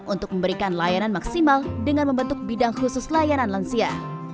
untuk memberikan layanan maksimal dengan membentuk bidang khusus layanan lansia